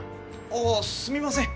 あっすみません。